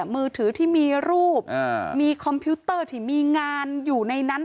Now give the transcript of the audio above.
มือถือที่มีรูปมีคอมพิวเตอร์ที่มีงานอยู่ในนั้น